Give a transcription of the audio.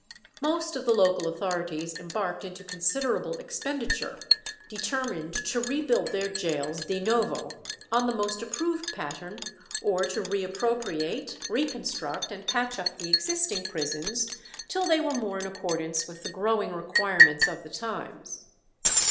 Most of the local authorities embarked into considerable expenditure, determined to rebuild their gaols de novo on the most approved pattern, or to reappropriate, reconstruct, and patch up the existing prisons till they were more in accordance with the growing requirements of the times.